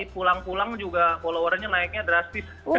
pulang pulang juga followernya naiknya drastis